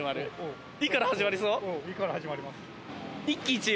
「い」から始まります。